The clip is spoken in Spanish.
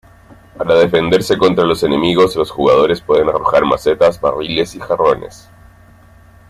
Para defenderse contra los enemigos, los jugadores pueden arrojar macetas, barriles y jarrones.